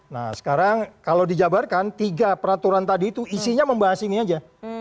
nah sekarang kalau dijabarkan tiga peraturan tadi itu isinya membahas ini aja